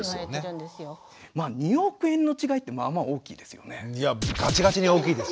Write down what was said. ２億円の違いってまあまあ大きいですよね。